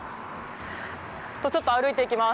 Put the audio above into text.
ちょっと歩いていきます。